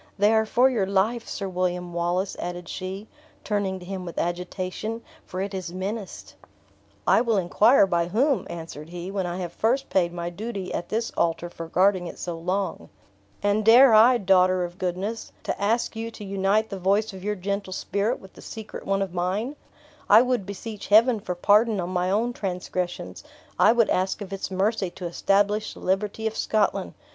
They are for your life, Sir William Wallace," added she, turning to him with agitation, "for it is menaced." "I will inquire by whom," answered he, "when I have first paid my duty at this altar for guarding it so long. And dare I, daughter of goodness, to ask you to unite the voice of your daughter of goodness, to ask you to unite the voice of your gentle spirit with the secret one of mine? I would beseech Heaven for pardon on my own transgressions; I would ask of its mercy to establish the liberty of Scotland.